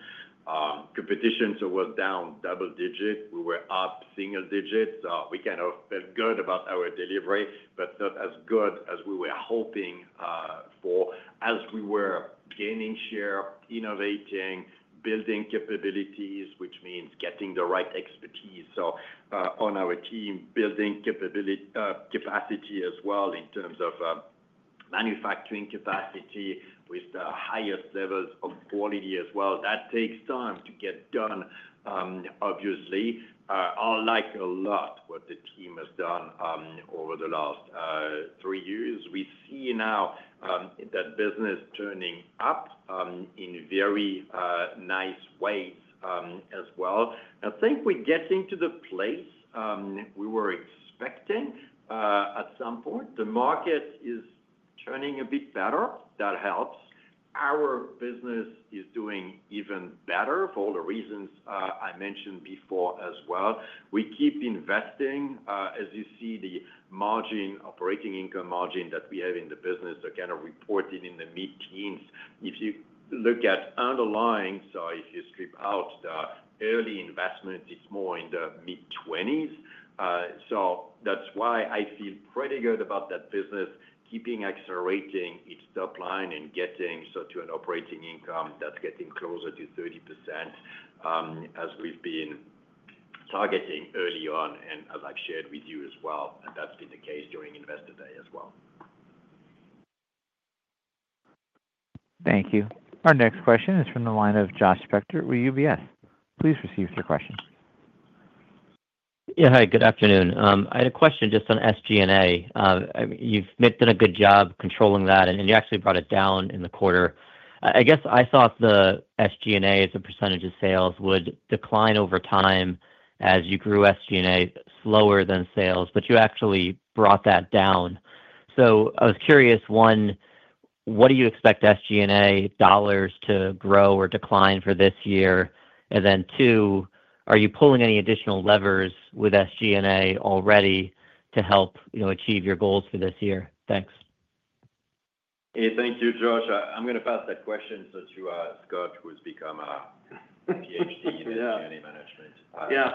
competition was down double digit. We were up single digit. We kind of felt good about our delivery, but not as good as we were hoping for as we were gaining share, innovating, building capabilities, which means getting the right expertise. On our team, building capacity as well in terms of manufacturing capacity with the highest levels of quality as well. That takes time to get done, obviously. I like a lot what the team has done over the last three years. We see now that business turning up in very nice ways as well. I think we're getting to the place we were expecting at some point. The market is turning a bit better. That helps. Our business is doing even better for all the reasons I mentioned before as well. We keep investing. As you see, the margin, operating income margin that we have in the business, they're kind of reporting in the mid-teens. If you look at underlying, so if you strip out the early investments, it's more in the mid-20s. That is why I feel pretty good about that business, keeping accelerating its top line and getting to an operating income that's getting closer to 30% as we've been targeting early on. As I have shared with you as well, that has been the case during Investor Day as well.
Thank you. Our next question is from the line of Josh Spector with UBS. Please proceed with your question.
Yeah, hi, good afternoon. I had a question just on SG&A. You've done a good job controlling that, and you actually brought it down in the quarter. I guess I thought the SG&A as a percentage of sales would decline over time as you grew SG&A slower than sales, but you actually brought that down. I was curious, one, what do you expect SG&A dollars to grow or decline for this year? Two, are you pulling any additional levers with SG&A already to help achieve your goals for this year? Thanks.
Hey, thank you, Josh. I'm going to pass that question to Scott, who has become a PhD in SG&A management.
Yeah,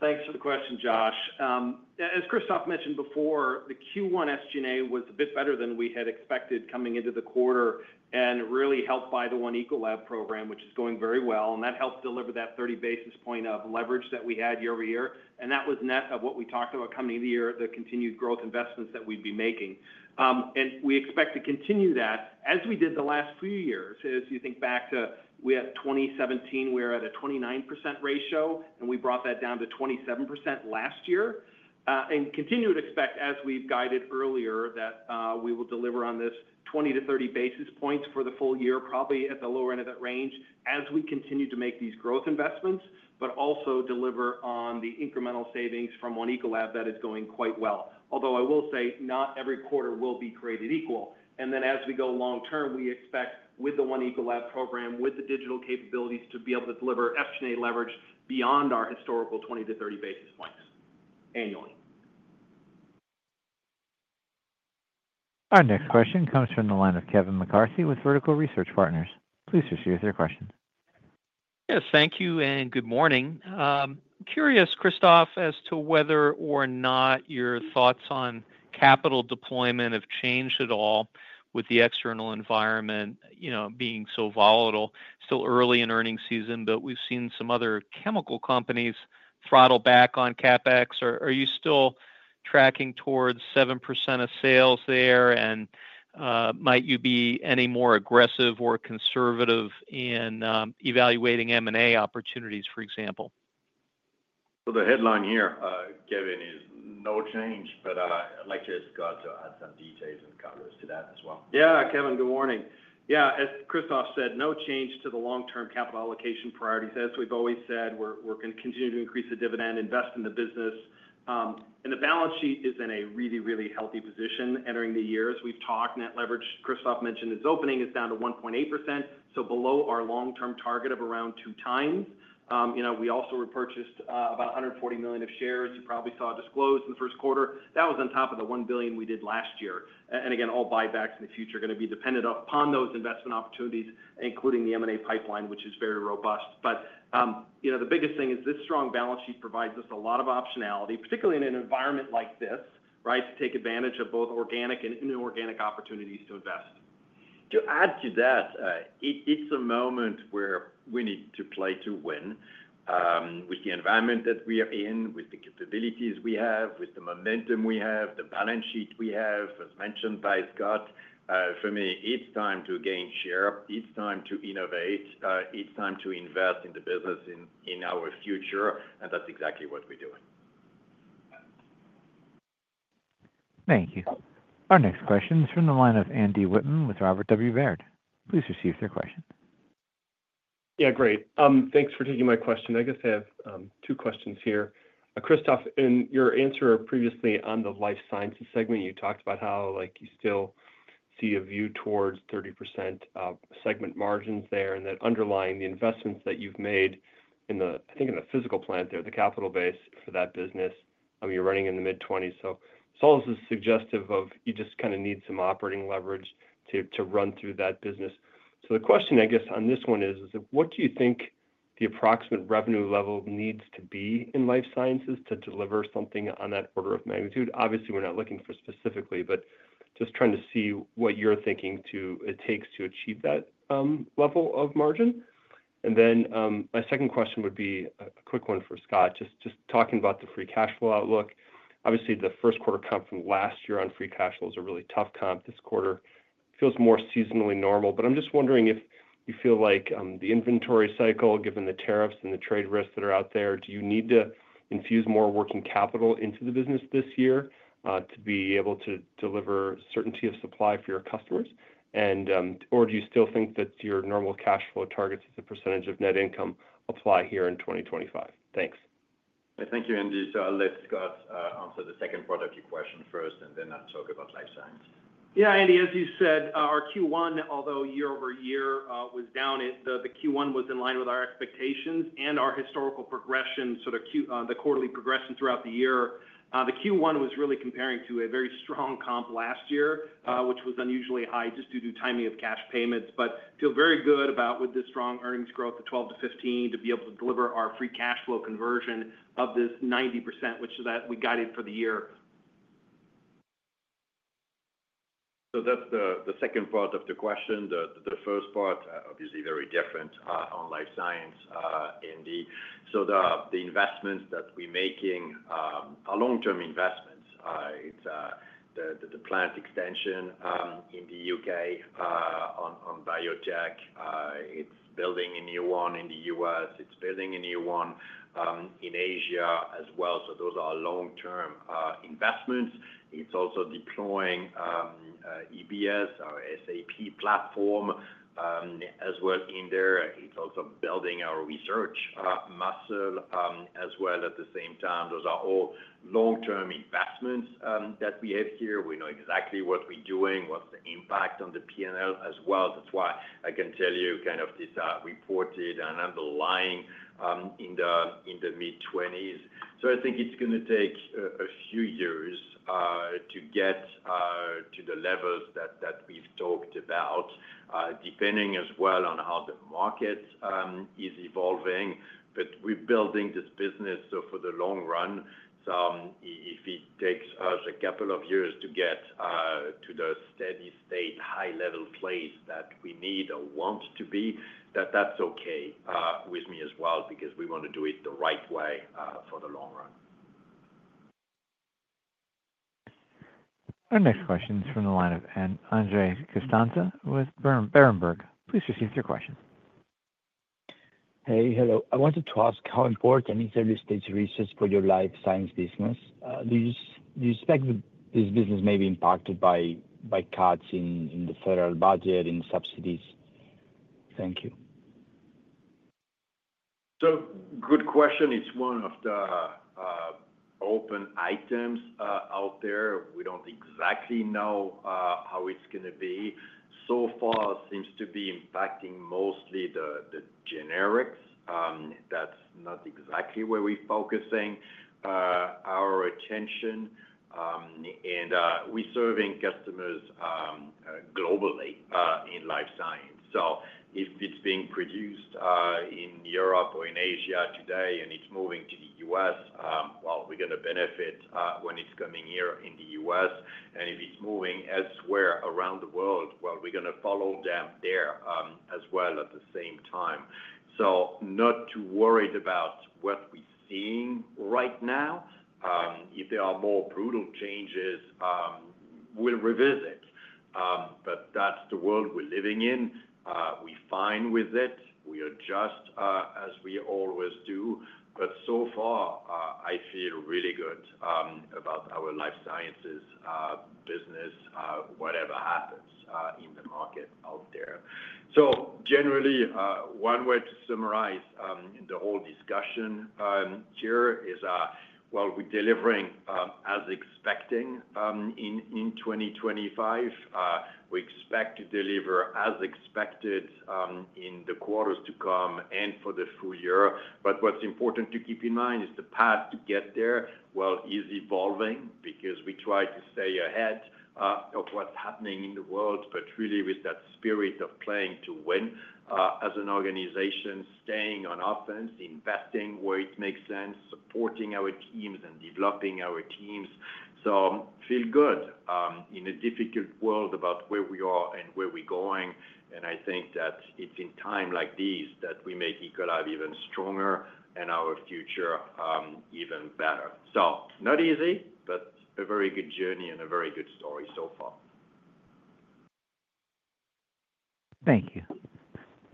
thanks for the question, Josh. As Christophe mentioned before, the Q1 SG&A was a bit better than we had expected coming into the quarter and really helped by the One Ecolab program, which is going very well. That helped deliver that 30 basis point of leverage that we had year over year. That was what we talked about coming into the year, the continued growth investments that we'd be making. We expect to continue that as we did the last few years. As you think back to we at 2017, we were at a 29% ratio, and we brought that down to 27% last year. We continue to expect, as we have guided earlier, that we will deliver on this 20-30 basis points for the full year, probably at the lower end of that range as we continue to make these growth investments, but also deliver on the incremental savings from One Ecolab that is going quite well. Although I will say not every quarter will be created equal. As we go long term, we expect with the One Ecolab program, with the digital capabilities, to be able to deliver SG&A leverage beyond our historical 20-30 basis points annually.
Our next question comes from the line of Kevin McCarthy with Vertical Research Partners. Please proceed with your question.
Yes, thank you and good morning. Curious, Christophe, as to whether or not your thoughts on capital deployment have changed at all with the external environment being so volatile. Still early in earnings season, but we've seen some other chemical companies throttle back on CapEx. Are you still tracking towards 7% of sales there? Might you be any more aggressive or conservative in evaluating M&A opportunities, for example?
The headline here, Kevin, is no change, but I'd like to ask Scott to add some details and colors to that as well.
Yeah, Kevin, good morning. Yeah, as Christophe said, no change to the long-term capital allocation priorities. As we've always said, we're going to continue to increase the dividend, invest in the business. The balance sheet is in a really, really healthy position entering the year as we've talked. Net leverage, Christophe mentioned, is opening is down to 1.8%, so below our long-term target of around two times. We also repurchased about $140 million of shares. You probably saw disclosed in the first quarter. That was on top of the $1 billion we did last year. Again, all buybacks in the future are going to be dependent upon those investment opportunities, including the M&A pipeline, which is very robust. The biggest thing is this strong balance sheet provides us a lot of optionality, particularly in an environment like this, to take advantage of both organic and inorganic opportunities to invest.
To add to that, it's a moment where we need to play to win with the environment that we are in, with the capabilities we have, with the momentum we have, the balance sheet we have, as mentioned by Scott. For me, it's time to gain share. It's time to innovate. It's time to invest in the business in our future. That's exactly what we're doing.
Thank you. Our next question is from the line of Andy Wittmann with Robert W. Baird. Please proceed with your question.
Yeah, great. Thanks for taking my question. I guess I have two questions here. Christophe, in your answer previously on the Life Sciences segment, you talked about how you still see a view towards 30% segment margins there and that underlying the investments that you've made in the, I think, in the physical plant there, the capital base for that business, you're running in the mid-20s. So it's always suggestive of you just kind of need some operating leverage to run through that business. The question, I guess, on this one is, what do you think the approximate revenue level needs to be in Life Sciences to deliver something on that order of magnitude? Obviously, we're not looking for specifically, but just trying to see what you're thinking it takes to achieve that level of margin. My second question would be a quick one for Scott, just talking about the free cash flow outlook. Obviously, the first quarter comp from last year on free cash flow is a really tough comp. This quarter feels more seasonally normal. I am just wondering if you feel like the inventory cycle, given the tariffs and the trade risks that are out there, do you need to infuse more working capital into the business this year to be able to deliver certainty of supply for your customers? And/or do you still think that your normal cash flow targets as a percentage of net income apply here in 2025? Thanks.
Thank you, Andy. I'll let Scott answer the second part of your question first, and then I'll talk about Life Sciences.
Yeah, Andy, as you said, our Q1, although year over year was down, the Q1 was in line with our expectations and our historical progression, sort of the quarterly progression throughout the year. Q1 was really comparing to a very strong comp last year, which was unusually high just due to timing of cash payments. I feel very good about, with this strong earnings growth of 12%-15%, to be able to deliver our free cash flow conversion of this 90%, which we guided for the year.
That is the second part of the question. The first part, obviously, very different on Life Sciences, Andy. The investments that we are making are long-term investments. The plant extension in the U.K. on biotech, it is building in year one in the U.S., it is building in year one in Asia as well. Those are long-term investments. It is also deploying EBS, our SAP platform as well in there. It is also building our research muscle as well at the same time. Those are all long-term investments that we have here. We know exactly what we are doing, what is the impact on the P&L as well. That is why I can tell you kind of this reported and underlying in the mid-20s. I think it is going to take a few years to get to the levels that we have talked about, depending as well on how the market is evolving. We're building this business for the long run. If it takes us a couple of years to get to the steady state, high-level place that we need or want to be, that's okay with me as well because we want to do it the right way for the long run.
Our next question is from the line of Andres Castanos with Berenberg. Please proceed with your question.
Hey, hello. I wanted to ask how important is early-stage research for your life science business? Do you expect this business may be impacted by cuts in the federal budget and subsidies? Thank you.
Good question. It's one of the open items out there. We don't exactly know how it's going to be. So far, it seems to be impacting mostly the generics. That's not exactly where we're focusing our attention. We're serving customers globally in Life Sciences. If it's being produced in Europe or in Asia today and it's moving to the U.S., we're going to benefit when it's coming here in the U.S. If it's moving elsewhere around the world, we're going to follow them there as well at the same time. Not too worried about what we're seeing right now. If there are more brutal changes, we'll revisit. That's the world we're living in. We're fine with it. We adjust as we always do. So far, I feel really good about our Life Sciences business, whatever happens in the market out there. Generally, one way to summarize the whole discussion here is, we're delivering as expected in 2025. We expect to deliver as expected in the quarters to come and for the full year. What's important to keep in mind is the path to get there is evolving because we try to stay ahead of what's happening in the world, really with that spirit of playing to win as an organization, staying on offense, investing where it makes sense, supporting our teams and developing our teams. I feel good in a difficult world about where we are and where we're going. I think that it's in times like these that we make Ecolab even stronger and our future even better. Not easy, but a very good journey and a very good story so far.
Thank you.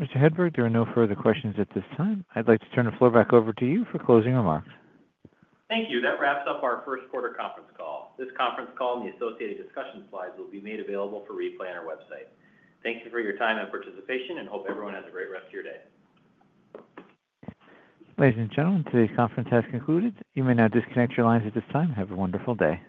Mr. Hedberg, there are no further questions at this time. I'd like to turn the floor back over to you for closing remarks.
Thank you. That wraps up our first quarter conference call. This conference call and the associated discussion slides will be made available for replay on our website. Thank you for your time and participation, and hope everyone has a great rest of your day.
Ladies and gentlemen, today's conference has concluded. You may now disconnect your lines at this time. Have a wonderful day.